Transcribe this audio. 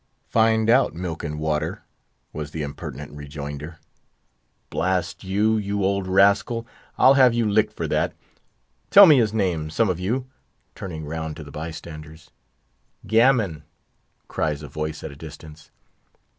"Find out, Milk and Water," was the impertinent rejoinder. "Blast you! you old rascal; I'll have you licked for that! Tell me his name, some of you!" turning round to the bystanders. "Gammon!" cries a voice at a distance.